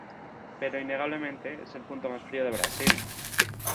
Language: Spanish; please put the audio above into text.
Pero innegablemente es el punto más frío de Brasil.